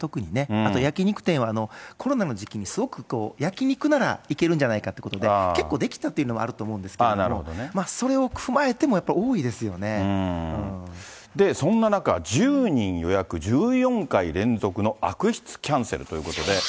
あと焼き肉店は、コロナの時期にすごく焼き肉ならいけるんじゃないかということで、結構できたっていうのもあると思うんですけれども、それを踏まえそんな中、１０人予約１４回連続の悪質キャンセルということで。